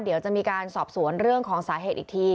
เดี๋ยวจะมีการสอบสวนเรื่องของสาเหตุอีกที